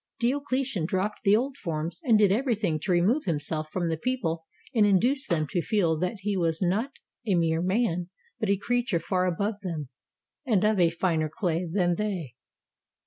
Diocletian dropped the old forms and did everything to remove himself from the people and in duce them to feel that he was not a mere man, but a creature far above them and of a finer clay than they.